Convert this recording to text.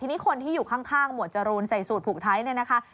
ทีนี้คนที่อยู่ข้างหมวดจรูนใส่สูตรผูกไทยเนี่ยนะคะ